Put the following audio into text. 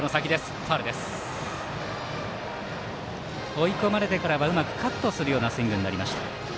追い込まれてからはうまくカットするようなスイング。